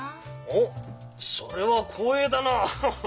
おっそれは光栄だなあハハハ。